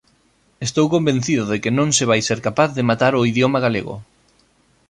Estou convencido de que non se vai ser capaz de matar o idioma galego.